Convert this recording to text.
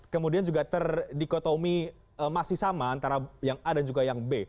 kemudian juga terdikotomi masih sama antara yang a dan juga yang b